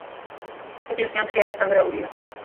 ეკლესია მთლიანად დანგრეულია.